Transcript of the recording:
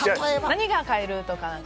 何が買えるとか。